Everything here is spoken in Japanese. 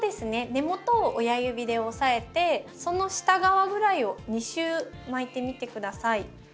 根元を親指で押さえてその下側ぐらいを２周巻いてみて下さい。